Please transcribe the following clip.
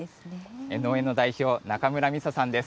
農園の代表、中村美紗さんです。